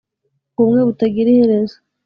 Ubumwe butagira iherezo